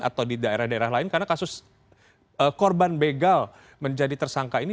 atau di daerah daerah lain karena kasus korban begal menjadi tersangka ini